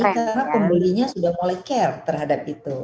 karena pembelinya sudah mulai care terhadap itu